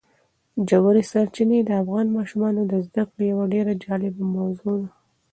ژورې سرچینې د افغان ماشومانو د زده کړې یوه ډېره جالبه موضوع ده.